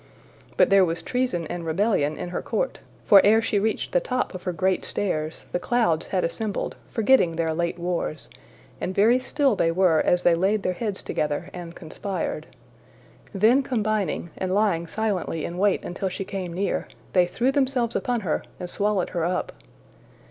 But there was treason and rebellion in her court; for ere she reached the top of her great stairs, the clouds had assembled, forgetting their late wars, and very still they were as they laid their heads together and conspired. Then combining, and lying silently in wait until she came near, they threw themselves upon her and swallowed her up.